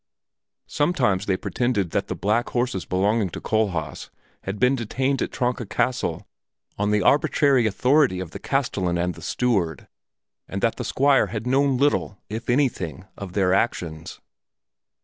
Sometimes they pretended that the black horses belonging to Kohlhaas had been detained at Tronka Castle on the arbitrary authority of the castellan and the steward, and that the Squire had known little, if anything, of their actions.